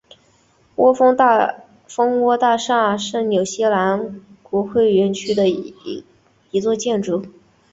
蜂窝大厦是纽西兰国会园区内的一座建筑。